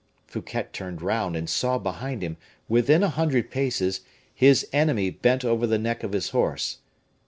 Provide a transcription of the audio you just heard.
Fouquet turned round, and saw behind him, within a hundred paces, his enemy bent over the neck of his horse.